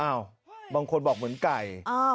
บางคนบอกเหมือนไก่